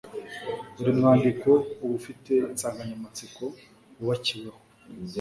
buri mwandiko uba ufite insanganyamatsiko wubakiyeho